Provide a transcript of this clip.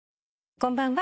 こんばんは。